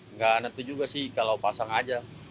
nggak nentu juga sih kalau pasang aja